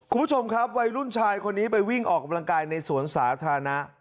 คุณผู้ชมครับวัยรุ่นชายคนนี้ไปวิ่งออกกำลังกายในสวนสาธารณะ